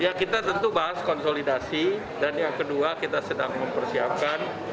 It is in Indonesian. ya kita tentu bahas konsolidasi dan yang kedua kita sedang mempersiapkan